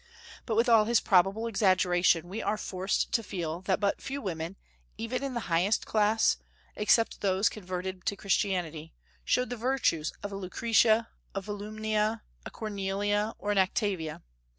But with all his probable exaggeration, we are forced to feel that but few women, even in the highest class, except those converted to Christianity, showed the virtues of a Lucretia, a Volumnia, a Cornelia, or an Octavia.